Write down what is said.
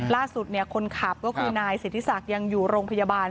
ล่าสุดคนขับก็คือนายสิทธิศักดิ์ยังอยู่โรงพยาบาล